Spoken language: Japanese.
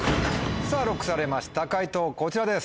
さぁＬＯＣＫされました解答こちらです。